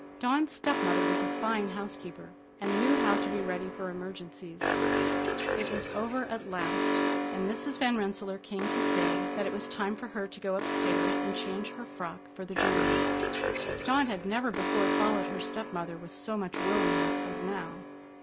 Dawn's step mother was a fine housekeeper, and knew how to be ready for emergencies. It was over at last, and Mrs. Van Rensselaer came to say that it was time for her to go upstairs and change her frock for the journey. Dawn had never before followed her step mother with so much willingness as now.